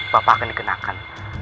bapak akan dikenakan